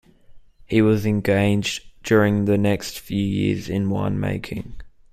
He was engaged during the next few years in wine-making.